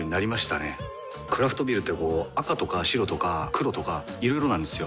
クラフトビールってこう赤とか白とか黒とかいろいろなんですよ。